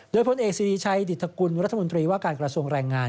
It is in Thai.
โดยพลเอกสิริชัยดิตกุลรัฐมนตรีว่าการกระทรวงแรงงาน